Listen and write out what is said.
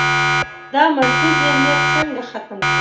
دا منفي ذهنیت څنګه ختم کړو؟